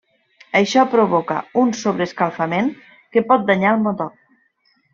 Això provoca un sobreescalfament que pot danyar el motor.